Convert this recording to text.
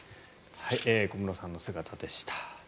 小室さんの姿でした。